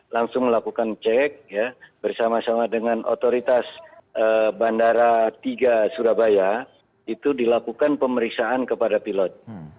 langsung melakukan cek bersama sama dengan otoritas bandara tiga surabaya itu dilakukan pemeriksaan kepada pilot